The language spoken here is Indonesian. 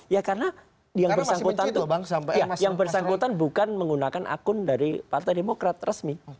ya karena yang bersangkutan bukan menggunakan akun dari partai demokrat resmi